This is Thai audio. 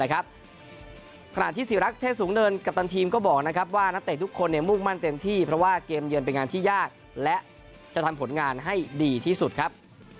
ขณะที่ศิรักษ์เทศสูงเนินกัปตันทีมก็บอกว่านักเตะทุกคนมุ่งมั่นเต็มที่เพราะว่าเกมเยือนเป็นงานที่ยากและจะทำผลงานให้ดีที่สุดครับ